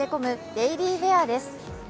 デイリーウエアです。